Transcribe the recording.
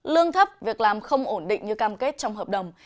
lương thấp việc làm không ổn định như cam kết trong hợp đồng